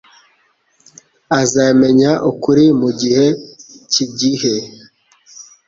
Azamenya ukuri mugihe cyigihe.